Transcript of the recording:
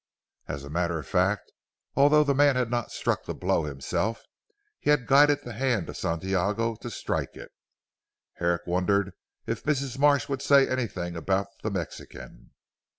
As a matter of fact although the man had not struck the blow himself, he had guided the hand of Santiago to strike it. Herrick wondered if Mrs. Marsh would say anything about the Mexican.